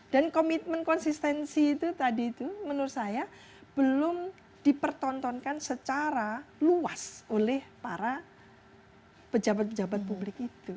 komitmen konsistensi itu tadi itu menurut saya belum dipertontonkan secara luas oleh para pejabat pejabat publik itu